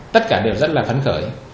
tất cả đều rất là phấn khởi